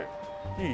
いい？